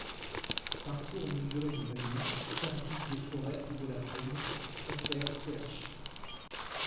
Parcours mesurés de Belmont, Service des forêts et de la faune, fr.ch.